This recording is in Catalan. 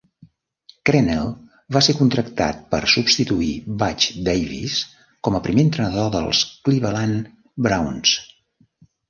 Crennel va ser contractat per substituir Butch Davis com a primer entrenador dels Cleveland Browns.